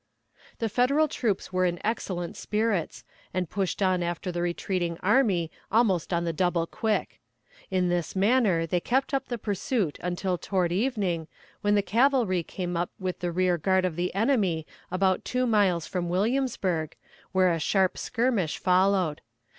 The Federal troops were in excellent spirits, and pushed on after the retreating army almost on the double quick. In this manner they kept up the pursuit until toward evening, when the cavalry came up with the rear guard of the enemy about two miles from Williamsburg, where a sharp skirmish followed.